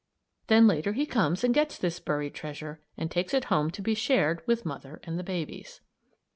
Then later he comes and gets this buried treasure and takes it home to be shared with mother and the babies.